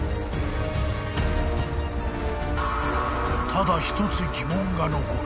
［ただ１つ疑問が残る］